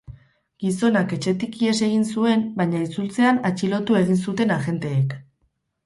Gizonak etxetik ihes egin zuen baina itzultzean atxilotu egin zuten agenteek.